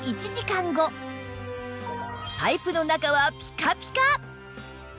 パイプの中はピカピカ！